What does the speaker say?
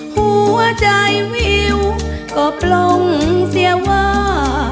หัวใจวิวก็ปลงเสียว่า